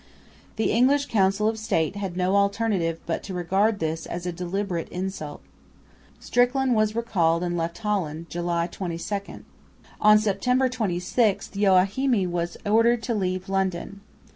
The English Council of State had no alternative but to regard this as a deliberate insult. Strickland was recalled and left Holland, July 22. On September 26 Joachimi was ordered to leave London.